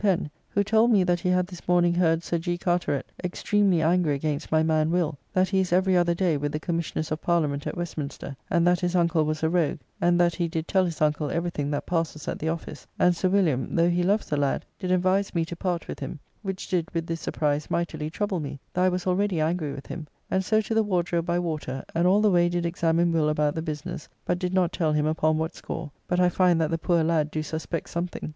Pen, who told me that he had this morning heard Sir G. Carteret extremely angry against my man Will that he is every other day with the Commissioners of Parliament at Westminster, and that his uncle was a rogue, and that he did tell his uncle every thing that passes at the office, and Sir William, though he loves the lad, did advise me to part with him, which did with this surprise mightily trouble me, though I was already angry with him, and so to the Wardrobe by water, and all the way did examine Will about the business, but did not tell him upon what score, but I find that the poor lad do suspect something.